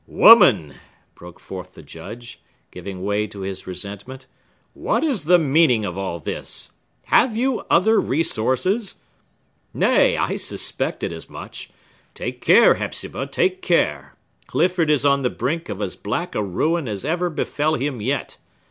"Woman!" broke forth the Judge, giving way to his resentment, "what is the meaning of all this? Have you other resources? Nay, I suspected as much! Take care, Hepzibah, take care! Clifford is on the brink of as black a ruin as ever befell him yet!